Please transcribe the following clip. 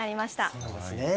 そうなんですね。